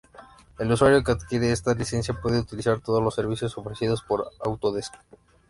El usuario que adquiere esta licencia puede utilizar todos los servicios ofrecidos por Autodesk.